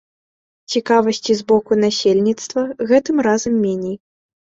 Цікавасці з боку насельніцтва гэтым разам меней.